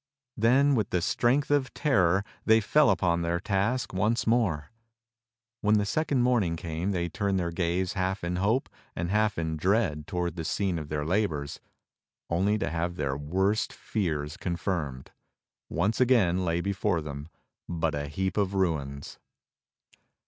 Then with the strength of terror they fell upon their task once more. When the second morning came they turned their gaze half in hope and half in dread toward the scene of their labors, only to have their worst fears confirmed. Once again there lay before them but a heap of ruins!